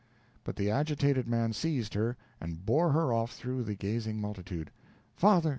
But the agitated man seized her, and bore her off through the gazing multitude. "Father!"